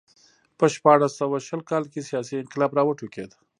په شپاړس سوه شل کال کې سیاسي انقلاب راوټوکېد.